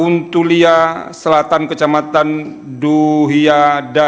untuk tuliah selatan kecamatan duhiada